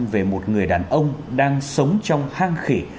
về một người đàn ông đang sống trong hang khỉ